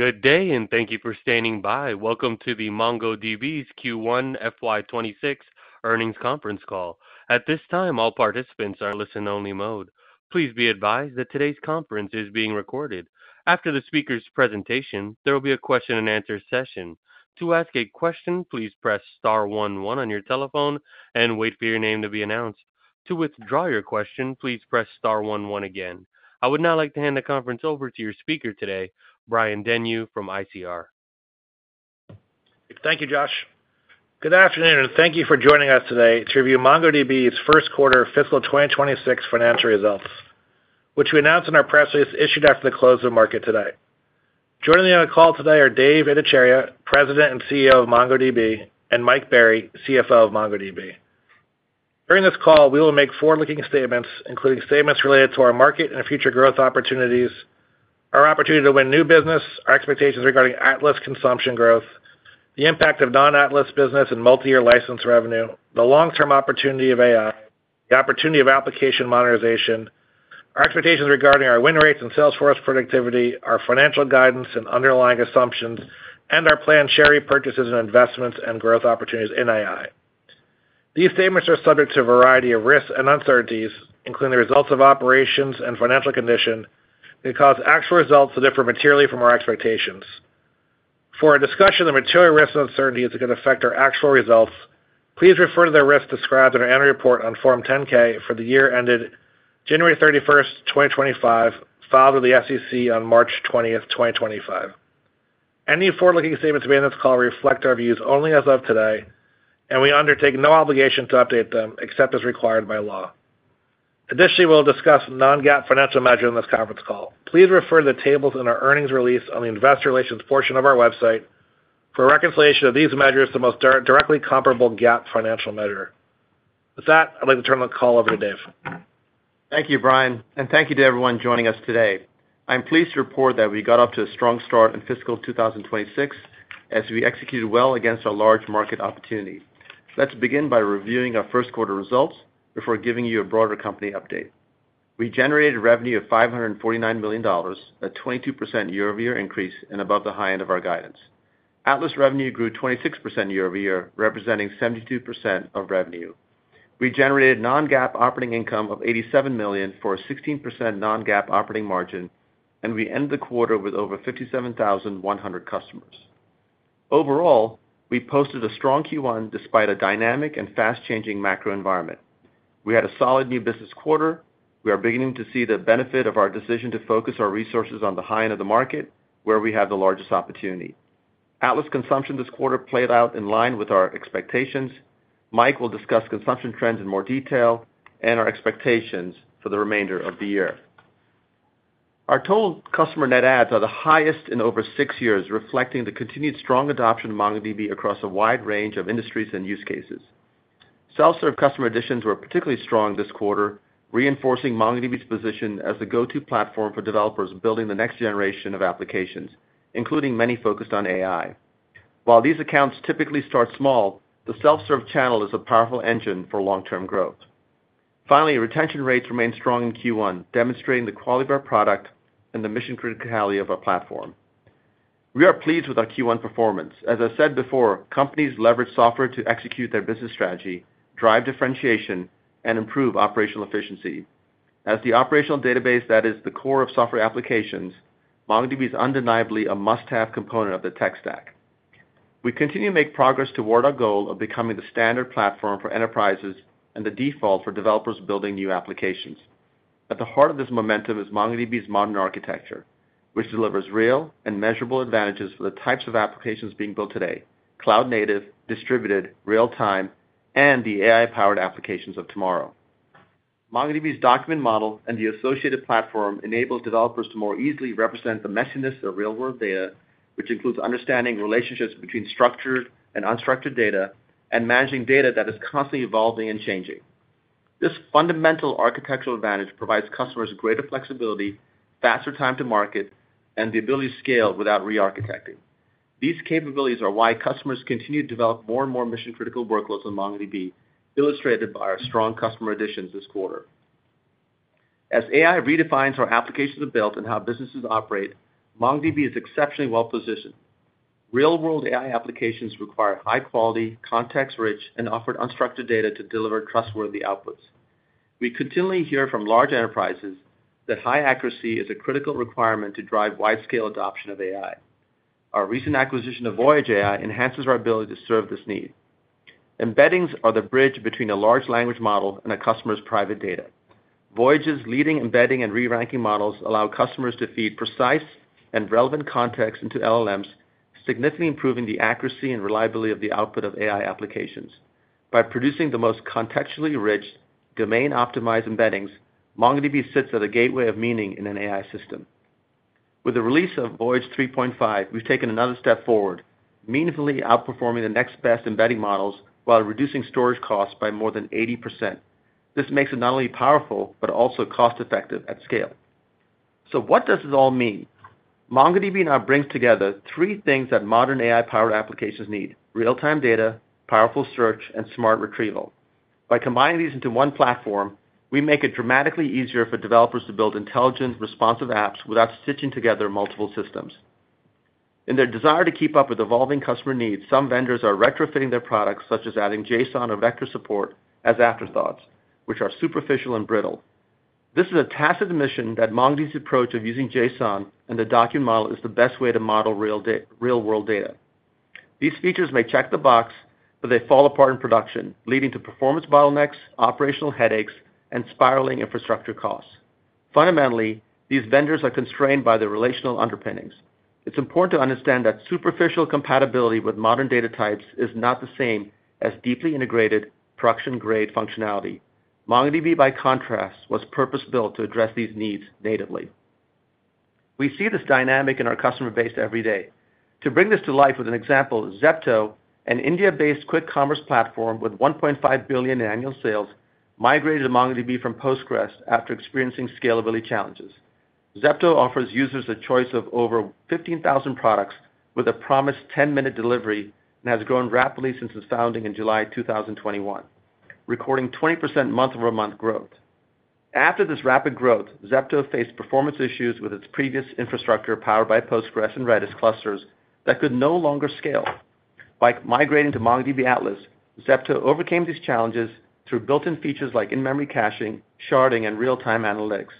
Good day, and thank you for standing by. Welcome to the MongoDB Q1 FY2026 earnings conference call. At this time, all participants are in listen-only mode. Please be advised that today's conference is being recorded. After the speaker's presentation, there will be a question-and-answer session. To ask a question, please press star one-one on your telephone and wait for your name to be announced. To withdraw your question, please press star one-one again. I would now like to hand the conference over to your speaker today, Brian Denyeau from ICR. Thank you, Josh. Good afternoon, and thank you for joining us today to review MongoDB's first quarter fiscal 2026 financial results, which we announced in our press release issued after the close of the market today. Joining me on the call today are Dev Ittycheria, President and CEO of MongoDB, and Mike Berry, CFO of MongoDB. During this call, we will make forward-looking statements, including statements related to our market and future growth opportunities, our opportunity to win new business, our expectations regarding Atlas consumption growth, the impact of non-Atlas business and multi-year license revenue, the long-term opportunity of AI, the opportunity of application monetization, our expectations regarding our win rates and Salesforce productivity, our financial guidance and underlying assumptions, and our planned share repurchases and investments and growth opportunities in AI. These statements are subject to a variety of risks and uncertainties, including the results of operations and financial condition that cause actual results to differ materially from our expectations. For a discussion of the material risks and uncertainties that could affect our actual results, please refer to the risks described in our annual report on Form 10-K for the year ended January 31, 2025, filed with the SEC on March 20, 2025. Any forward-looking statements made in this call reflect our views only as of today, and we undertake no obligation to update them except as required by law. Additionally, we will discuss non-GAAP financial measures in this conference call. Please refer to the tables in our earnings release on the investor relations portion of our website for a reconciliation of these measures to the most directly comparable GAAP financial measure. With that, I'd like to turn the call over to Dev. Thank you, Brian, and thank you to everyone joining us today. I'm pleased to report that we got off to a strong start in fiscal 2026 as we executed well against our large market opportunity. Let's begin by reviewing our first quarter results before giving you a broader company update. We generated revenue of $549 million, a 22% year-over-year increase and above the high end of our guidance. Atlas revenue grew 26% year-over-year, representing 72% of revenue. We generated non-GAAP operating income of $87 million for a 16% non-GAAP operating margin, and we ended the quarter with over 57,100 customers. Overall, we posted a strong Q1 despite a dynamic and fast-changing macro environment. We had a solid new business quarter. We are beginning to see the benefit of our decision to focus our resources on the high end of the market, where we have the largest opportunity. Atlas consumption this quarter played out in line with our expectations. Mike will discuss consumption trends in more detail and our expectations for the remainder of the year. Our total customer net adds are the highest in over six years, reflecting the continued strong adoption of MongoDB across a wide range of industries and use cases. Self-serve customer additions were particularly strong this quarter, reinforcing MongoDB's position as the go-to platform for developers building the next generation of applications, including many focused on AI. While these accounts typically start small, the self-serve channel is a powerful engine for long-term growth. Finally, retention rates remained strong in Q1, demonstrating the quality of our product and the mission criticality of our platform. We are pleased with our Q1 performance. As I said before, companies leverage software to execute their business strategy, drive differentiation, and improve operational efficiency. As the operational database that is the core of software applications, MongoDB is undeniably a must-have component of the tech stack. We continue to make progress toward our goal of becoming the standard platform for enterprises and the default for developers building new applications. At the heart of this momentum is MongoDB's modern architecture, which delivers real and measurable advantages for the types of applications being built today: cloud-native, distributed, real-time, and the AI-powered applications of tomorrow. MongoDB's document model and the associated platform enable developers to more easily represent the messiness of real-world data, which includes understanding relationships between structured and unstructured data and managing data that is constantly evolving and changing. This fundamental architectural advantage provides customers greater flexibility, faster time to market, and the ability to scale without re-architecting. These capabilities are why customers continue to develop more and more mission-critical workloads in MongoDB, illustrated by our strong customer additions this quarter. As AI redefines how applications are built and how businesses operate, MongoDB is exceptionally well-positioned. Real-world AI applications require high quality, context-rich, and often unstructured data to deliver trustworthy outputs. We continually hear from large enterprises that high accuracy is a critical requirement to drive wide-scale adoption of AI. Our recent acquisition of Voyage AI enhances our ability to serve this need. Embeddings are the bridge between a large language model and a customer's private data. Voyage's leading embedding and re-ranking models allow customers to feed precise and relevant context into LLMs, significantly improving the accuracy and reliability of the output of AI applications. By producing the most contextually rich, domain-optimized embeddings, MongoDB sits at a gateway of meaning in an AI system. With the release of Voyage 3.5, we've taken another step forward, meaningfully outperforming the next best embedding models while reducing storage costs by more than 80%. This makes it not only powerful, but also cost-effective at scale. What does this all mean? MongoDB now brings together three things that modern AI-powered applications need: real-time data, powerful search, and smart retrieval. By combining these into one platform, we make it dramatically easier for developers to build intelligent, responsive apps without stitching together multiple systems. In their desire to keep up with evolving customer needs, some vendors are retrofitting their products, such as adding JSON or vector support, as afterthoughts, which are superficial and brittle. This is a tacit admission that MongoDB's approach of using JSON and the document model is the best way to model real-world data. These features may check the box, but they fall apart in production, leading to performance bottlenecks, operational headaches, and spiraling infrastructure costs. Fundamentally, these vendors are constrained by their relational underpinnings. It's important to understand that superficial compatibility with modern data types is not the same as deeply integrated production-grade functionality. MongoDB, by contrast, was purpose-built to address these needs natively. We see this dynamic in our customer base every day. To bring this to life with an example, Zepto, an India-based quick commerce platform with $1.5 billion in annual sales, migrated to MongoDB from Postgres after experiencing scalability challenges. Zepto offers users a choice of over 15,000 products with a promised ten-minute delivery and has grown rapidly since its founding in July 2021, recording 20% month-over-month growth. After this rapid growth, Zepto faced performance issues with its previous infrastructure powered by Postgres and Redis clusters that could no longer scale. By migrating to MongoDB Atlas, Zepto overcame these challenges through built-in features like in-memory caching, sharding, and real-time analytics.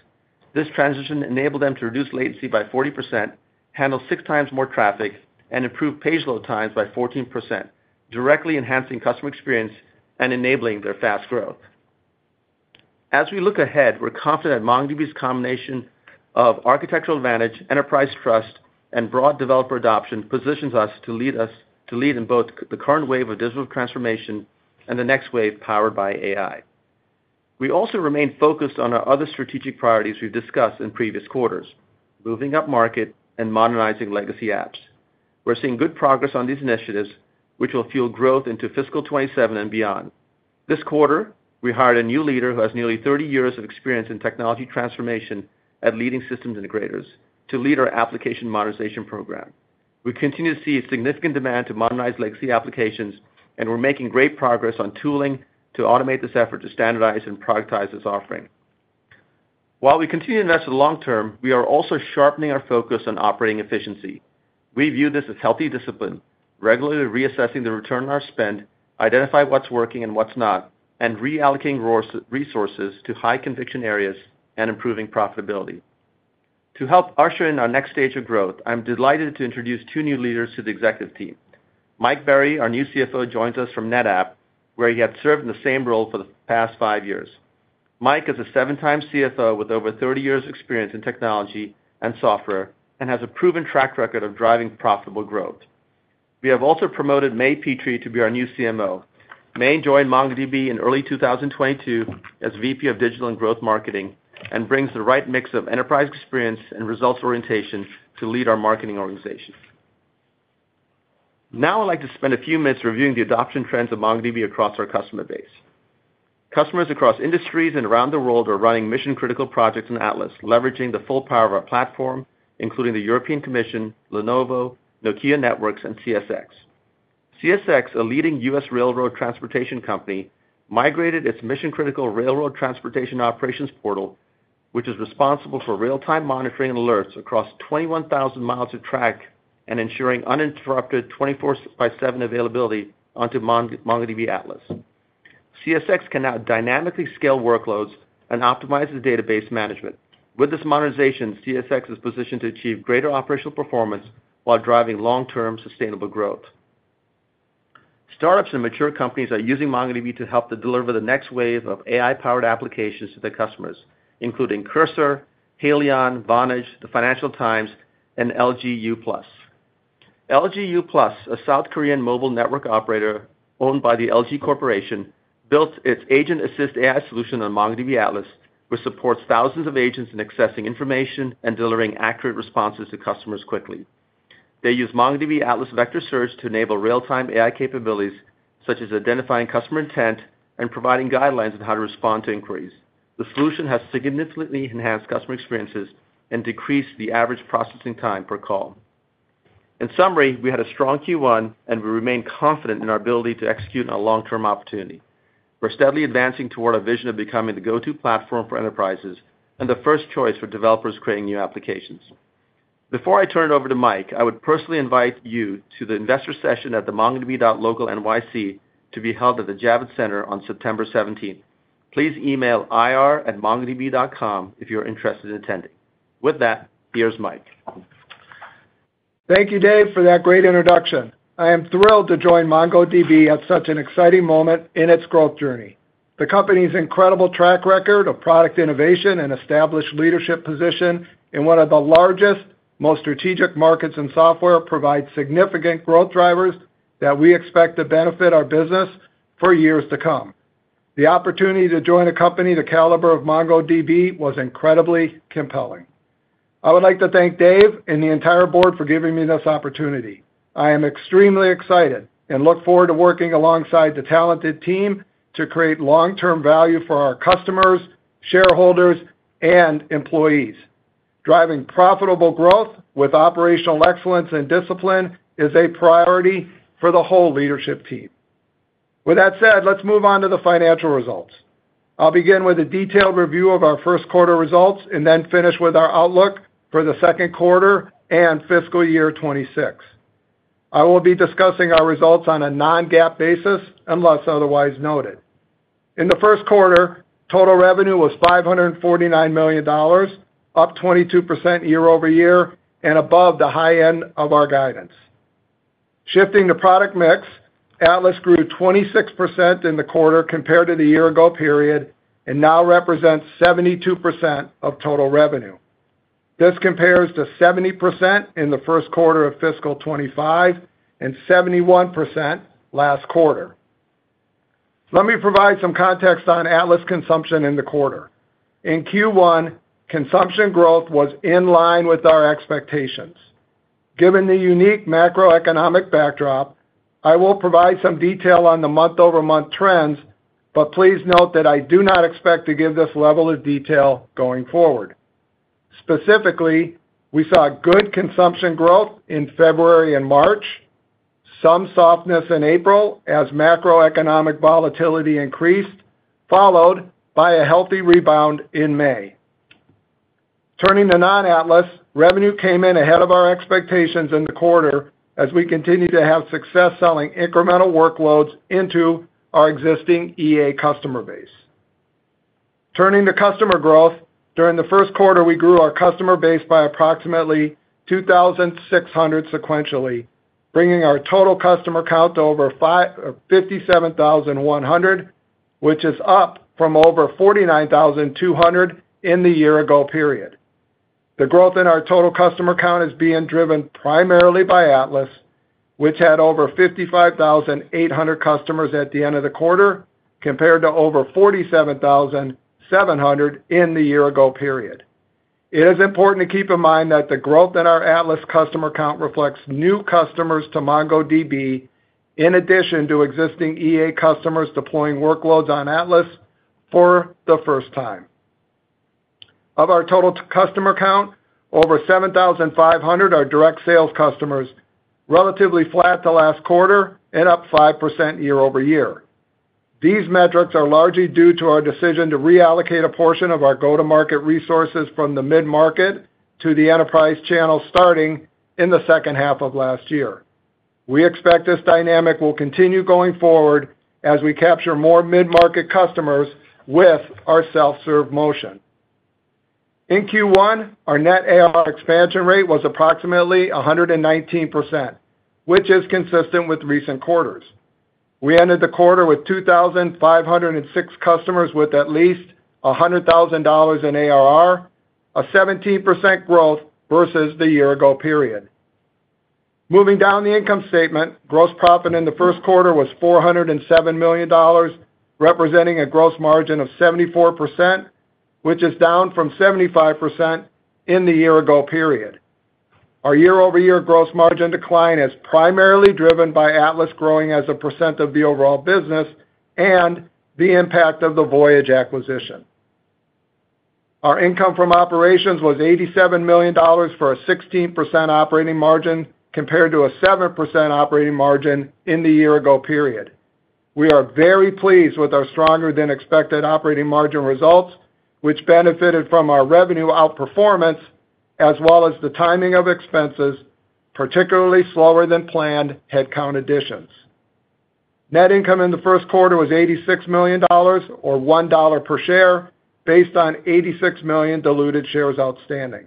This transition enabled them to reduce latency by 40%, handle six times more traffic, and improve page load times by 14%, directly enhancing customer experience and enabling their fast growth. As we look ahead, we're confident that MongoDB's combination of architectural advantage, enterprise trust, and broad developer adoption positions us to lead in both the current wave of digital transformation and the next wave powered by AI. We also remain focused on our other strategic priorities we've discussed in previous quarters: moving up market and modernizing legacy apps. We're seeing good progress on these initiatives, which will fuel growth into fiscal 2027 and beyond. This quarter, we hired a new leader who has nearly 30 years of experience in technology transformation at leading systems integrators to lead our application modernization program. We continue to see significant demand to modernize legacy applications, and we're making great progress on tooling to automate this effort to standardize and productize this offering. While we continue to invest in the long term, we are also sharpening our focus on operating efficiency. We view this as healthy discipline, regularly reassessing the return on our spend, identifying what's working and what's not, and reallocating resources to high-conviction areas and improving profitability. To help usher in our next stage of growth, I'm delighted to introduce two new leaders to the executive team. Mike Berry, our new CFO, joins us from NetApp, where he had served in the same role for the past five years. Mike is a seven-time CFO with over 30 years of experience in technology and software and has a proven track record of driving profitable growth. We have also promoted May Petri to be our new CMO. May joined MongoDB in early 2022 as VP of Digital and Growth Marketing and brings the right mix of enterprise experience and results orientation to lead our marketing organization. Now I'd like to spend a few minutes reviewing the adoption trends of MongoDB across our customer base. Customers across industries and around the world are running mission-critical projects in Atlas, leveraging the full power of our platform, including the European Commission, Lenovo, Nokia Networks, and CSX. CSX, a leading U.S. railroad transportation company, migrated its mission-critical railroad transportation operations portal, which is responsible for real-time monitoring and alerts across 21,000 miles of track and ensuring uninterrupted 24/7 availability onto MongoDB Atlas. CSX can now dynamically scale workloads and optimize the database management. With this modernization, CSX is positioned to achieve greater operational performance while driving long-term sustainable growth. Startups and mature companies are using MongoDB to help deliver the next wave of AI-powered applications to their customers, including Cursor, Helion, Vonage, the Financial Times, and LG U+. LG U+, a South Korean mobile network operator owned by the LG Corporation, built its agent-assist AI solution on MongoDB Atlas, which supports thousands of agents in accessing information and delivering accurate responses to customers quickly. They use MongoDB Atlas Vector Search to enable real-time AI capabilities, such as identifying customer intent and providing guidelines on how to respond to inquiries. The solution has significantly enhanced customer experiences and decreased the average processing time per call. In summary, we had a strong Q1, and we remain confident in our ability to execute on a long-term opportunity. We're steadily advancing toward a vision of becoming the go-to platform for enterprises and the first choice for developers creating new applications. Before I turn it over to Mike, I would personally invite you to the investor session at the MongoDB.local NYC to be held at the Javits Center on September 17th. Please email ir@mongodb.com if you're interested in attending. With that, here's Mike. Thank you, Dev, for that great introduction. I am thrilled to join MongoDB at such an exciting moment in its growth journey. The company's incredible track record of product innovation and established leadership position in one of the largest, most strategic markets in software provides significant growth drivers that we expect to benefit our business for years to come. The opportunity to join a company the caliber of MongoDB was incredibly compelling. I would like to thank Dev and the entire board for giving me this opportunity. I am extremely excited and look forward to working alongside the talented team to create long-term value for our customers, shareholders, and employees. Driving profitable growth with operational excellence and discipline is a priority for the whole leadership team. With that said, let's move on to the financial results. I'll begin with a detailed review of our first quarter results and then finish with our outlook for the second quarter and fiscal year 2026. I will be discussing our results on a non-GAAP basis unless otherwise noted. In the first quarter, total revenue was $549 million, up 22% year over year and above the high end of our guidance. Shifting the product mix, Atlas grew 26% in the quarter compared to the year-ago period and now represents 72% of total revenue. This compares to 70% in the first quarter of fiscal 2025 and 71% last quarter. Let me provide some context on Atlas consumption in the quarter. In Q1, consumption growth was in line with our expectations. Given the unique macroeconomic backdrop, I will provide some detail on the month-over-month trends, but please note that I do not expect to give this level of detail going forward. Specifically, we saw good consumption growth in February and March, some softness in April as macroeconomic volatility increased, followed by a healthy rebound in May. Turning to non-Atlas, revenue came in ahead of our expectations in the quarter as we continue to have success selling incremental workloads into our existing EA customer base. Turning to customer growth, during the first quarter, we grew our customer base by approximately 2,600 sequentially, bringing our total customer count to over 57,100, which is up from over 49,200 in the year-ago period. The growth in our total customer count is being driven primarily by Atlas, which had over 55,800 customers at the end of the quarter compared to over 47,700 in the year-ago period. It is important to keep in mind that the growth in our Atlas customer count reflects new customers to MongoDB, in addition to existing EA customers deploying workloads on Atlas for the first time. Of our total customer count, over 7,500 are direct sales customers, relatively flat the last quarter and up 5% year over year. These metrics are largely due to our decision to reallocate a portion of our go-to-market resources from the mid-market to the enterprise channel starting in the second half of last year. We expect this dynamic will continue going forward as we capture more mid-market customers with our self-serve motion. In Q1, our net ARR expansion rate was approximately 119%, which is consistent with recent quarters. We ended the quarter with 2,506 customers with at least $100,000 in ARR, a 17% growth versus the year-ago period. Moving down the income statement, gross profit in the first quarter was $407 million, representing a gross margin of 74%, which is down from 75% in the year-ago period. Our year-over-year gross margin decline is primarily driven by Atlas growing as a percent of the overall business and the impact of the Voyage acquisition. Our income from operations was $87 million for a 16% operating margin compared to a 7% operating margin in the year-ago period. We are very pleased with our stronger-than-expected operating margin results, which benefited from our revenue outperformance as well as the timing of expenses, particularly slower-than-planned headcount additions. Net income in the first quarter was $86 million, or $1 per share, based on 86 million diluted shares outstanding.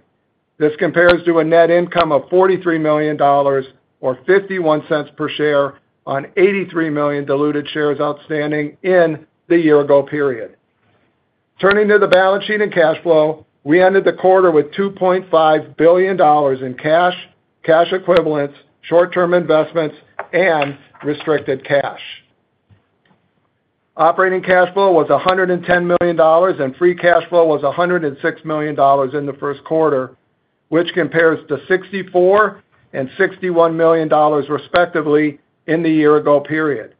This compares to a net income of $43 million, or $0.51 per share, on 83 million diluted shares outstanding in the year-ago period. Turning to the balance sheet and cash flow, we ended the quarter with $2.5 billion in cash, cash equivalents, short-term investments, and restricted cash. Operating cash flow was $110 million, and free cash flow was $106 million in the first quarter, which compares to $64 million and $61 million, respectively, in the year-ago period.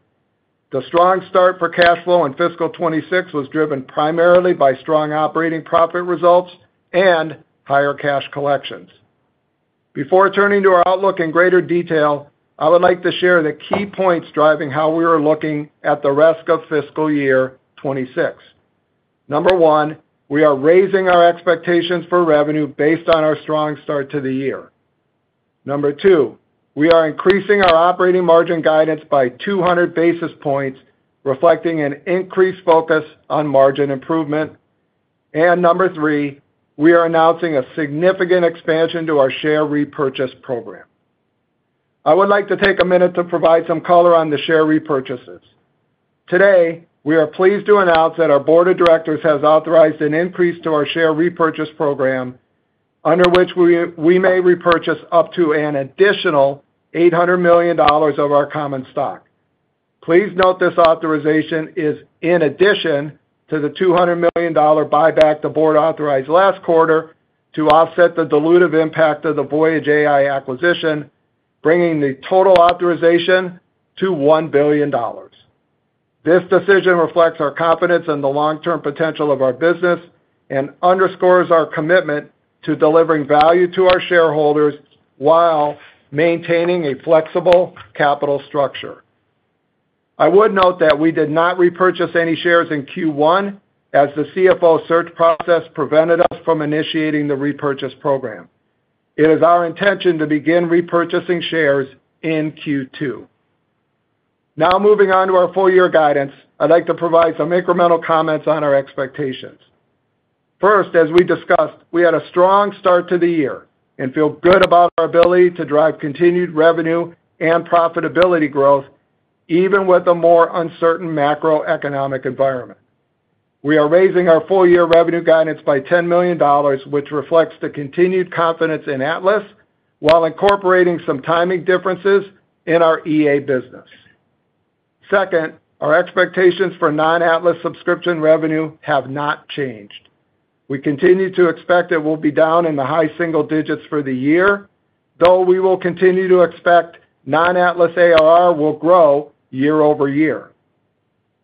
The strong start for cash flow in fiscal 2026 was driven primarily by strong operating profit results and higher cash collections. Before turning to our outlook in greater detail, I would like to share the key points driving how we are looking at the rest of fiscal year 2026. Number one, we are raising our expectations for revenue based on our strong start to the year. Number two, we are increasing our operating margin guidance by 200 basis points, reflecting an increased focus on margin improvement. Number three, we are announcing a significant expansion to our share repurchase program. I would like to take a minute to provide some color on the share repurchases. Today, we are pleased to announce that our board of directors has authorized an increase to our share repurchase program, under which we may repurchase up to an additional $800 million of our common stock. Please note this authorization is in addition to the $200 million buyback the board authorized last quarter to offset the dilutive impact of the Voyage AI acquisition, bringing the total authorization to $1 billion. This decision reflects our confidence in the long-term potential of our business and underscores our commitment to delivering value to our shareholders while maintaining a flexible capital structure. I would note that we did not repurchase any shares in Q1, as the CFO search process prevented us from initiating the repurchase program. It is our intention to begin repurchasing shares in Q2. Now, moving on to our full-year guidance, I'd like to provide some incremental comments on our expectations. First, as we discussed, we had a strong start to the year and feel good about our ability to drive continued revenue and profitability growth, even with a more uncertain macroeconomic environment. We are raising our full-year revenue guidance by $10 million, which reflects the continued confidence in Atlas, while incorporating some timing differences in our EA business. Second, our expectations for non-Atlas subscription revenue have not changed. We continue to expect it will be down in the high single digits for the year, though we will continue to expect non-Atlas ARR will grow year over year.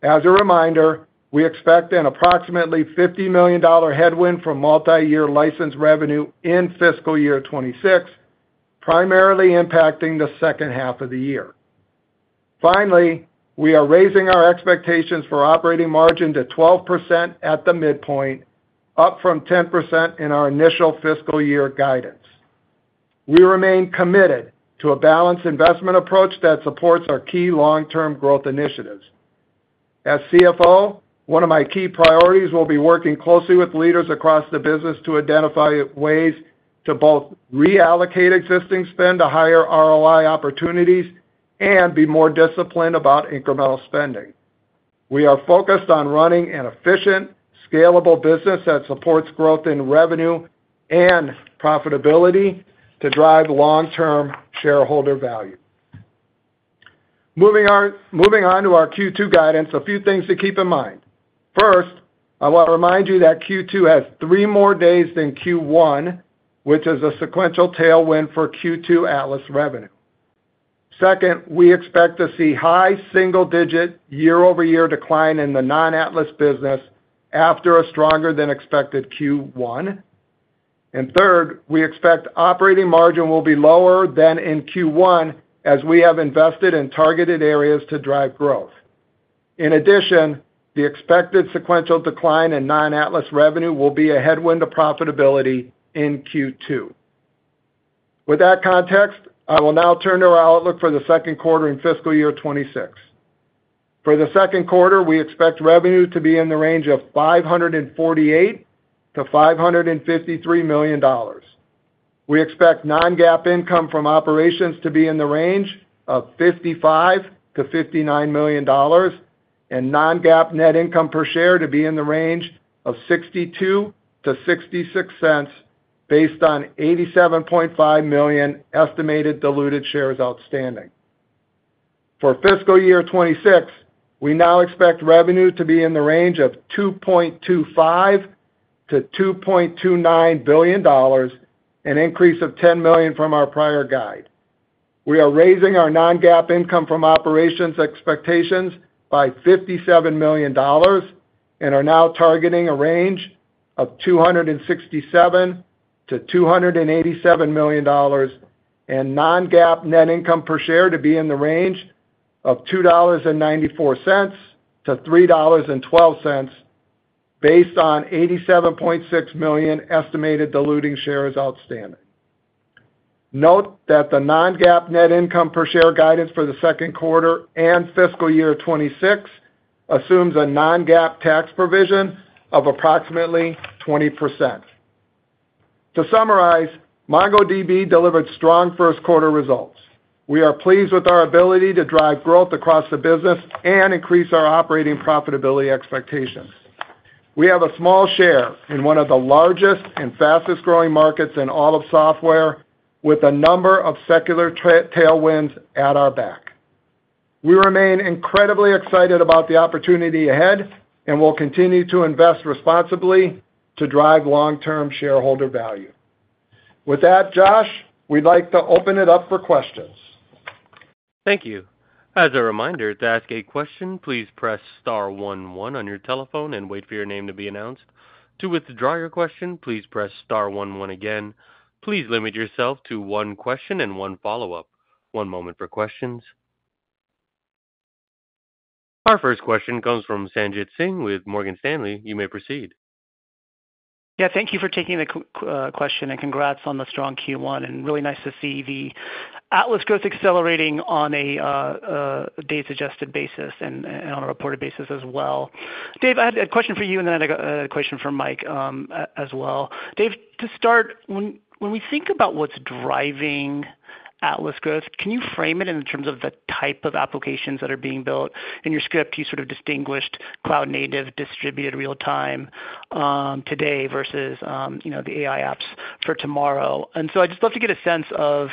As a reminder, we expect an approximately $50 million headwind from multi-year license revenue in fiscal year 2026, primarily impacting the second half of the year. Finally, we are raising our expectations for operating margin to 12% at the midpoint, up from 10% in our initial fiscal year guidance. We remain committed to a balanced investment approach that supports our key long-term growth initiatives. As CFO, one of my key priorities will be working closely with leaders across the business to identify ways to both reallocate existing spend to higher ROI opportunities and be more disciplined about incremental spending. We are focused on running an efficient, scalable business that supports growth in revenue and profitability to drive long-term shareholder value. Moving on to our Q2 guidance, a few things to keep in mind. First, I want to remind you that Q2 has three more days than Q1, which is a sequential tailwind for Q2 Atlas revenue. Second, we expect to see high single-digit year-over-year decline in the non-Atlas business after a stronger-than-expected Q1. Third, we expect operating margin will be lower than in Q1, as we have invested in targeted areas to drive growth. In addition, the expected sequential decline in non-Atlas revenue will be a headwind to profitability in Q2. With that context, I will now turn to our outlook for the second quarter in fiscal year 2026. For the second quarter, we expect revenue to be in the range of $548 million-$553 million. We expect non-GAAP income from operations to be in the range of $55 million-$59 million, and non-GAAP net income per share to be in the range of $0.62-$0.66, based on 87.5 million estimated diluted shares outstanding. For fiscal year 2026, we now expect revenue to be in the range of $2.25 billion-$2.29 billion, an increase of $10 million from our prior guide. We are raising our non-GAAP income from operations expectations by $57 million and are now targeting a range of $267 million-$287 million, and non-GAAP net income per share to be in the range of $2.94-$3.12, based on 87.6 million estimated diluting shares outstanding. Note that the non-GAAP net income per share guidance for the second quarter and fiscal year 2026 assumes a non-GAAP tax provision of approximately 20%. To summarize, MongoDB delivered strong first quarter results. We are pleased with our ability to drive growth across the business and increase our operating profitability expectations. We have a small share in one of the largest and fastest-growing markets in all of software, with a number of secular tailwinds at our back. We remain incredibly excited about the opportunity ahead and will continue to invest responsibly to drive long-term shareholder value. With that, Josh, we'd like to open it up for questions. Thank you. As a reminder, to ask a question, please press star 11 on your telephone and wait for your name to be announced. To withdraw your question, please press star one one again. Please limit yourself to one question and one follow-up. One moment for questions. Our first question comes from Sanjit Singh with Morgan Stanley. You may proceed. Yeah, thank you for taking the question and congrats on the strong Q1. Really nice to see the Atlas growth accelerating on a data-suggested basis and on a reported basis as well. Dev, I had a question for you, and then I had a question for Mike as well. Dev, to start, when we think about what's driving Atlas growth, can you frame it in terms of the type of applications that are being built? In your script, you sort of distinguished cloud-native, distributed real-time today versus the AI apps for tomorrow. I'd just love to get a sense of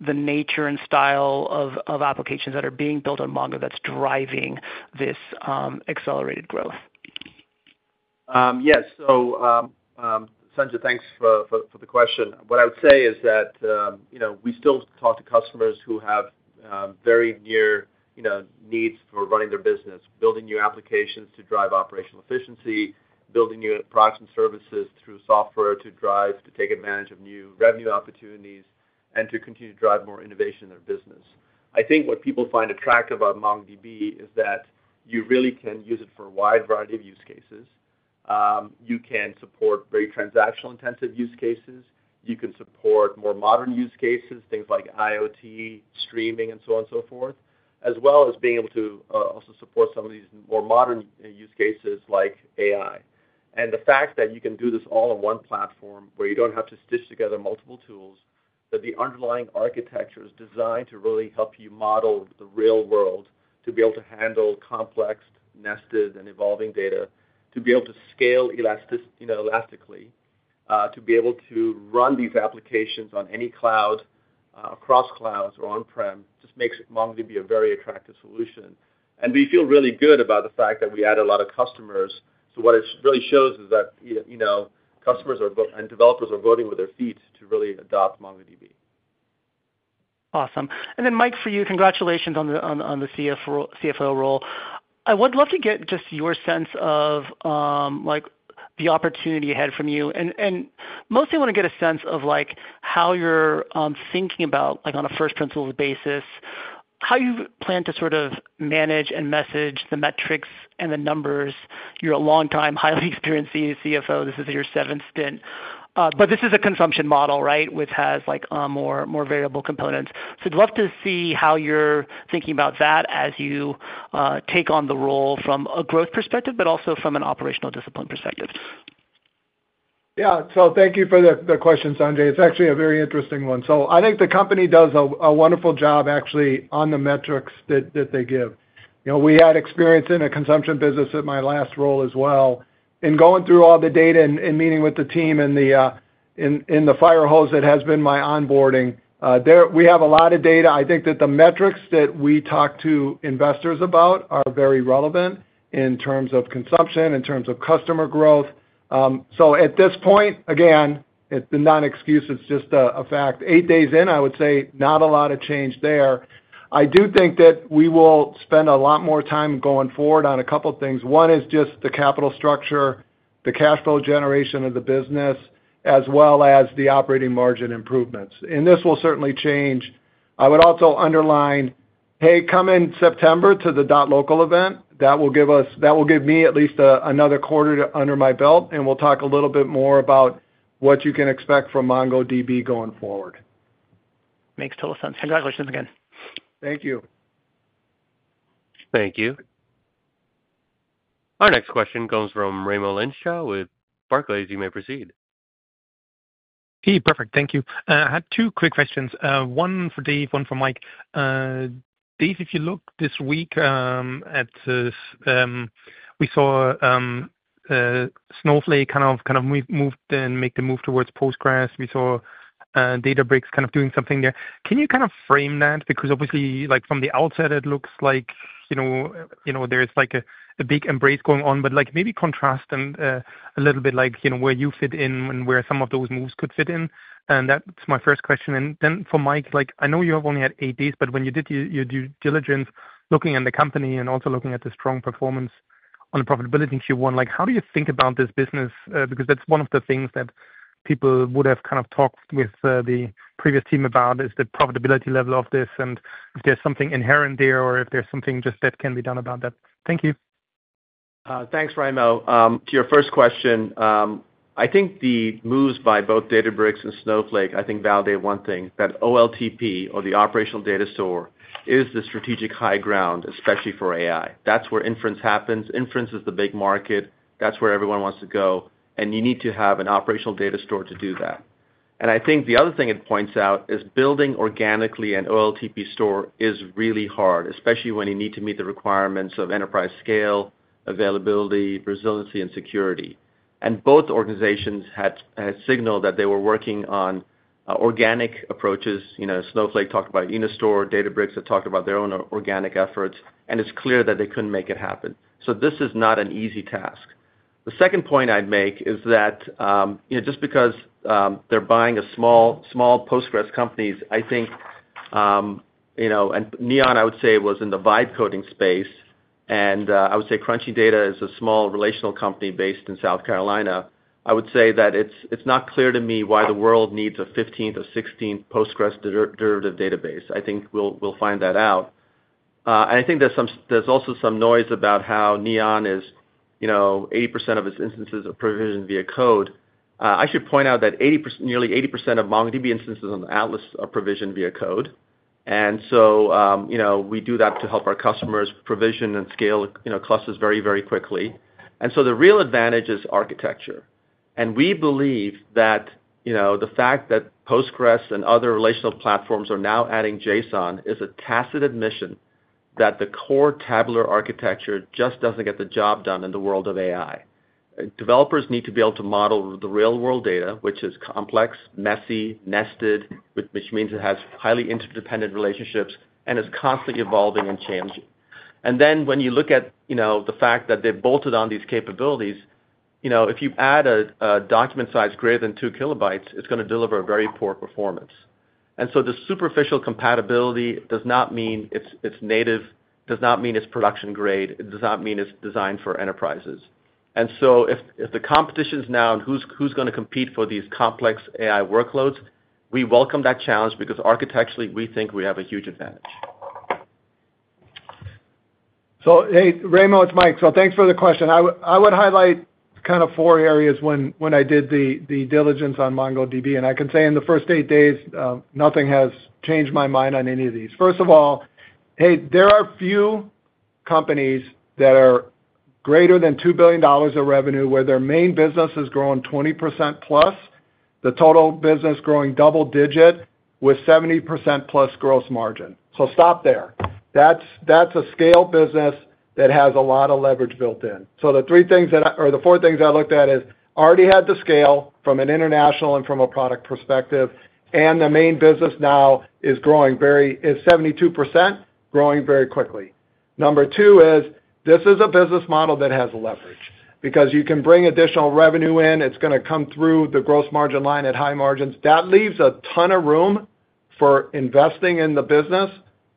the nature and style of applications that are being built on Mongo that's driving this accelerated growth. Yes. Sanjit, thanks for the question. What I would say is that we still talk to customers who have very near needs for running their business, building new applications to drive operational efficiency, building new products and services through software to drive, to take advantage of new revenue opportunities, and to continue to drive more innovation in their business. I think what people find attractive about MongoDB is that you really can use it for a wide variety of use cases. You can support very transactional-intensive use cases. You can support more modern use cases, things like IoT, streaming, and so on and so forth, as well as being able to also support some of these more modern use cases like AI. The fact that you can do this all on one platform where you do not have to stitch together multiple tools, that the underlying architecture is designed to really help you model the real world, to be able to handle complex, nested, and evolving data, to be able to scale elastically, to be able to run these applications on any cloud, across clouds, or on-prem, just makes MongoDB a very attractive solution. We feel really good about the fact that we add a lot of customers. What it really shows is that customers and developers are voting with their feet to really adopt MongoDB. Awesome. Mike, for you, congratulations on the CFO role. I would love to get just your sense of the opportunity ahead from you. Mostly, I want to get a sense of how you're thinking about, on a first-principles basis, how you plan to sort of manage and message the metrics and the numbers. You're a long-time, highly experienced CFO. This is your seventh stint. This is a consumption model, right, which has more variable components. I'd love to see how you're thinking about that as you take on the role from a growth perspective, but also from an operational discipline perspective. Yeah. Thank you for the question, Sanjit. It's actually a very interesting one. I think the company does a wonderful job, actually, on the metrics that they give. We had experience in a consumption business at my last role as well. In going through all the data and meeting with the team in the firehose that has been my onboarding, we have a lot of data. I think that the metrics that we talk to investors about are very relevant in terms of consumption, in terms of customer growth. At this point, again, it's not an excuse. It's just a fact. Eight days in, I would say not a lot of change there. I do think that we will spend a lot more time going forward on a couple of things. One is just the capital structure, the cash flow generation of the business, as well as the operating margin improvements. This will certainly change. I would also underline, hey, come in September to the .local event. That will give me at least another quarter under my belt, and we'll talk a little bit more about what you can expect from MongoDB going forward. Makes total sense. Congratulations again. Thank you. Thank you. Our next question comes from Raimo Lenschow with Barclays. You may proceed. Hey, perfect. Thank you. I had two quick questions. One for Dev, one for Mike. Dev, if you look this week at this, we saw Snowflake kind of move and make the move towards Postgres. We saw Databricks kind of doing something there. Can you kind of frame that? Because obviously, from the outset, it looks like there's a big embrace going on, but maybe contrast a little bit where you fit in and where some of those moves could fit in. That's my first question. For Mike, I know you have only had eight days, but when you did your due diligence looking at the company and also looking at the strong performance on the profitability Q1, how do you think about this business? Because that's one of the things that people would have kind of talked with the previous team about, is the profitability level of this, and if there's something inherent there or if there's something just that can be done about that. Thank you. Thanks, Raimo. To your first question, I think the moves by both Databricks and Snowflake, I think validate one thing, that OLTP, or the operational data store, is the strategic high ground, especially for AI. That is where inference happens. Inference is the big market. That is where everyone wants to go. You need to have an operational data store to do that. I think the other thing it points out is building organically an OLTP store is really hard, especially when you need to meet the requirements of enterprise scale, availability, resiliency, and security. Both organizations had signaled that they were working on organic approaches. Snowflake talked about Unistore. Databricks had talked about their own organic efforts. It is clear that they could not make it happen. This is not an easy task. The second point I'd make is that just because they're buying small Postgres companies, I think, and Neon, I would say, was in the vibe coding space. I would say Crunchy Data is a small relational company based in South Carolina. I would say that it's not clear to me why the world needs a 15th or 16th Postgres derivative database. I think we'll find that out. I think there's also some noise about how Neon is 80% of its instances are provisioned via code. I should point out that nearly 80% of MongoDB instances on the Atlas are provisioned via code. We do that to help our customers provision and scale clusters very, very quickly. The real advantage is architecture. We believe that the fact that Postgres and other relational platforms are now adding JSON is a tacit admission that the core tabular architecture just doesn't get the job done in the world of AI. Developers need to be able to model the real-world data, which is complex, messy, nested, which means it has highly interdependent relationships and is constantly evolving and changing. When you look at the fact that they've bolted on these capabilities, if you add a document size greater than 2 kilobytes, it's going to deliver a very poor performance. The superficial compatibility does not mean it's native, does not mean it's production grade, does not mean it's designed for enterprises. If the competition's now and who's going to compete for these complex AI workloads, we welcome that challenge because architecturally, we think we have a huge advantage. Raymo to Mike. Thanks for the question. I would highlight kind of four areas when I did the diligence on MongoDB. I can say in the first eight days, nothing has changed my mind on any of these. First of all, there are few companies that are greater than $2 billion of revenue where their main business has grown 20%+, the total business growing double-digit with 70%+ gross margin. Stop there. That is a scale business that has a lot of leverage built in. The three things that are the four things I looked at is already had the scale from an international and from a product perspective. The main business now is growing very is 72%, growing very quickly. Number two is this is a business model that has leverage because you can bring additional revenue in. It's going to come through the gross margin line at high margins. That leaves a ton of room for investing in the business,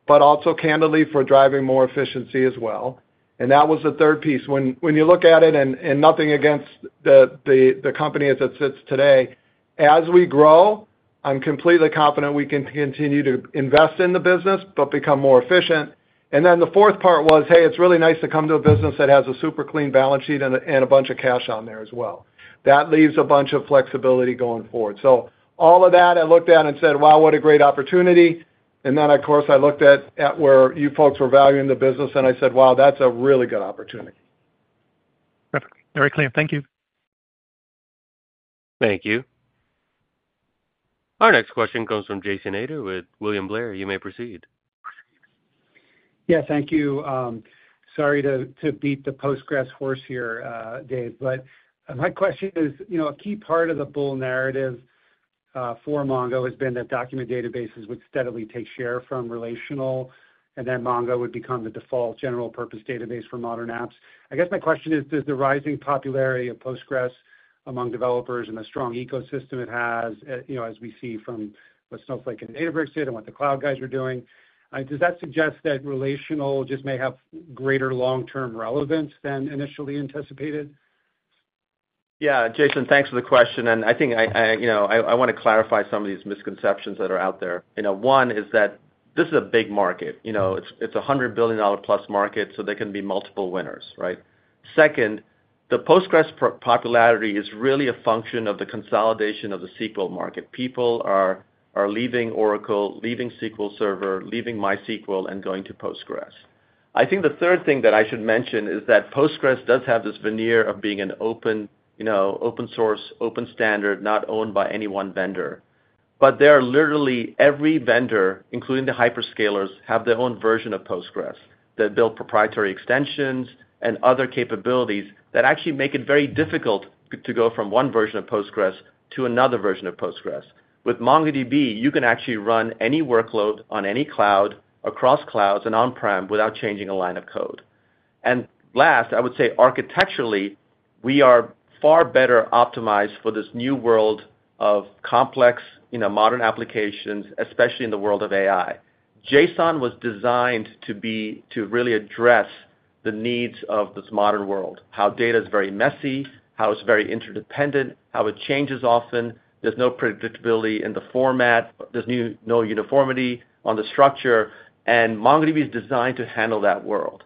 but also candidly for driving more efficiency as well. That was the third piece. When you look at it, and nothing against the company as it sits today, as we grow, I'm completely confident we can continue to invest in the business but become more efficient. The fourth part was, hey, it's really nice to come to a business that has a super clean balance sheet and a bunch of cash on there as well. That leaves a bunch of flexibility going forward. All of that, I looked at and said, "Wow, what a great opportunity." Of course, I looked at where you folks were valuing the business, and I said, "Wow, that's a really good opportunity. Perfect. Very clear. Thank you. Thank you. Our next question comes from Jason Ader with William Blair. You may proceed. Yeah, thank you. Sorry to beat the Postgres horse here, Dev. But my question is a key part of the bull narrative for Mongo has been that document databases would steadily take share from relational, and then Mongo would become the default general-purpose database for modern apps. I guess my question is, does the rising popularity of Postgres among developers and the strong ecosystem it has, as we see from what Snowflake and Databricks did and what the cloud guys are doing, does that suggest that relational just may have greater long-term relevance than initially anticipated? Yeah. Jason, thanks for the question. I think I want to clarify some of these misconceptions that are out there. One is that this is a big market. It's a $100 billion plus market, so there can be multiple winners, right? Second, the Postgres popularity is really a function of the consolidation of the SQL market. People are leaving Oracle, leaving SQL Server, leaving MySQL, and going to Postgres. I think the third thing that I should mention is that Postgres does have this veneer of being an open-source, open standard, not owned by any one vendor. There are literally every vendor, including the hyperscalers, have their own version of Postgres that build proprietary extensions and other capabilities that actually make it very difficult to go from one version of Postgres to another version of Postgres. With MongoDB, you can actually run any workload on any cloud, across clouds, and on-prem without changing a line of code. Last, I would say architecturally, we are far better optimized for this new world of complex, modern applications, especially in the world of AI. JSON was designed to really address the needs of this modern world, how data is very messy, how it's very interdependent, how it changes often. There is no predictability in the format. There is no uniformity on the structure. MongoDB is designed to handle that world.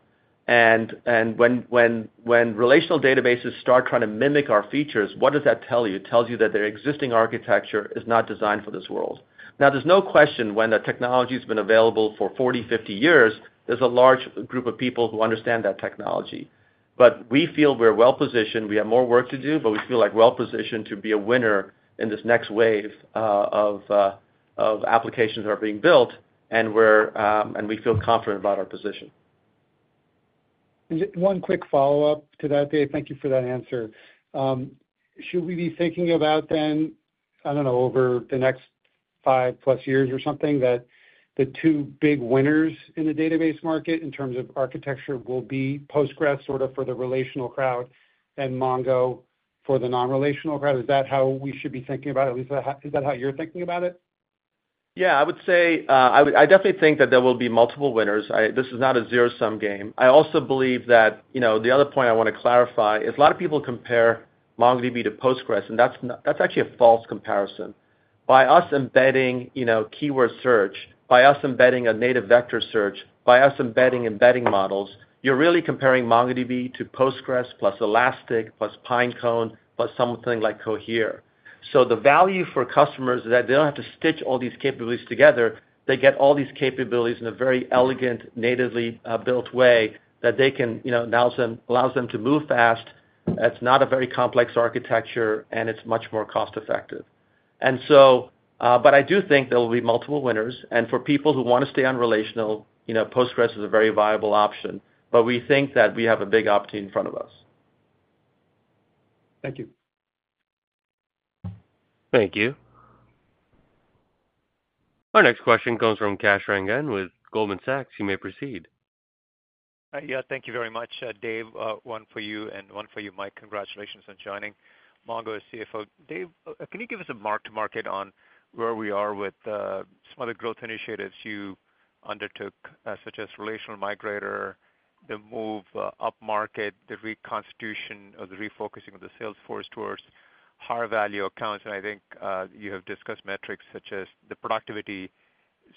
When relational databases start trying to mimic our features, what does that tell you? It tells you that their existing architecture is not designed for this world. There is no question when the technology has been available for 40, 50 years, there is a large group of people who understand that technology. We feel we are well-positioned. We have more work to do, but we feel like we are well-positioned to be a winner in this next wave of applications that are being built. We feel confident about our position. One quick follow-up to that, Dev. Thank you for that answer. Should we be thinking about then, I do not know, over the next five-plus years or something, that the two big winners in the database market in terms of architecture will be Postgres sort of for the relational crowd and Mongo for the non-relational crowd? Is that how we should be thinking about it? At least, is that how you are thinking about it? Yeah. I would say I definitely think that there will be multiple winners. This is not a zero-sum game. I also believe that the other point I want to clarify is a lot of people compare MongoDB to Postgres, and that's actually a false comparison. By us embedding keyword search, by us embedding a native vector search, by us embedding embedding models, you're really comparing MongoDB to Postgres plus Elastic plus Pinecone plus something like Cohere. The value for customers is that they do not have to stitch all these capabilities together. They get all these capabilities in a very elegant, natively built way that can allow them to move fast. It is not a very complex architecture, and it is much more cost-effective. I do think there will be multiple winners. For people who want to stay on relational, Postgres is a very viable option. We think that we have a big opportunity in front of us. Thank you. Thank you. Our next question comes from Kash Rangan with Goldman Sachs. You may proceed. Yeah. Thank you very much, Dev. One for you and one for you, Mike. Congratulations on joining. Mongo is CFO. Dev, can you give us a mark-to-market on where we are with some of the growth initiatives you undertook, such as Relational Migrator, the move up market, the reconstitution or the refocusing of the sales force towards higher value accounts? I think you have discussed metrics such as the productivity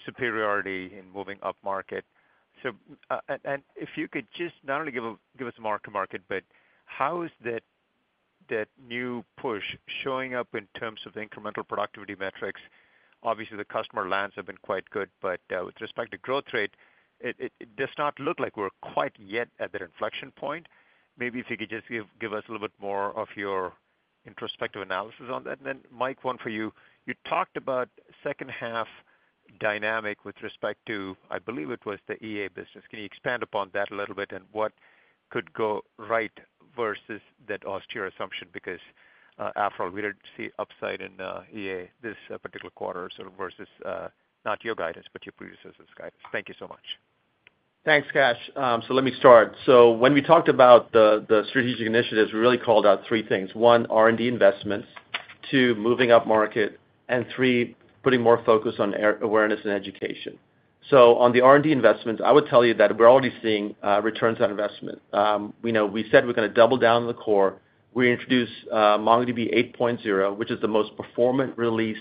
superiority in moving up market. If you could just not only give us a mark-to-market, but how is that new push showing up in terms of incremental productivity metrics? Obviously, the customer lands have been quite good, but with respect to growth rate, it does not look like we're quite yet at that inflection point. Maybe if you could just give us a little bit more of your introspective analysis on that. Mike, one for you. You talked about second-half dynamic with respect to, I believe it was the EA business. Can you expand upon that a little bit and what could go right versus that austere assumption? Because after all, we did not see upside in EA this particular quarter versus not your guidance, but your predecessor's guidance. Thank you so much. Thanks, Kash. Let me start. When we talked about the strategic initiatives, we really called out three things. One, R&D investments. Two, moving up market. Three, putting more focus on awareness and education. On the R&D investments, I would tell you that we're already seeing returns on investment. We said we're going to double down on the core. We introduced MongoDB 8.0, which is the most performant release